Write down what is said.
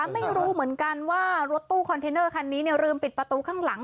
ไม่รู้เหมือนกันว่ารถตู้คอนเทนเนอร์คันนี้ลืมปิดประตูข้างหลัง